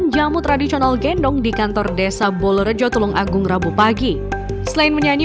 jawa dinas kesehatan tulung agung rabu pagi